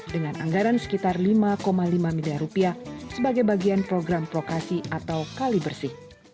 dengan anggaran sekitar lima lima miliar rupiah sebagai bagian program prokasi atau kali bersih